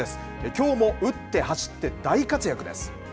きょうも打って走って、大活躍です。